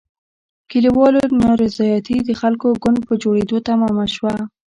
کلیوالو نارضایتي د خلکو ګوند په جوړېدو تمامه شوه.